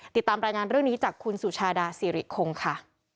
ติดตามรายงานเรื่องนี้จากคุณสุชาดาสิริคงค่ะ